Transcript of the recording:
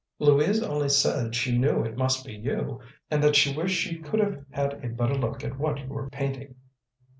"Louise only said she knew it must be you, and that she wished she could have had a better look at what you were painting."